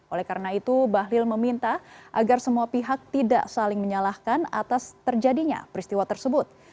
oleh karena itu bahlil meminta agar semua pihak tidak saling menyalahkan atas terjadinya peristiwa tersebut